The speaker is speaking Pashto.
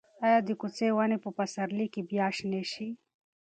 ایا د کوڅې ونې به په پسرلي کې بیا شنې شي؟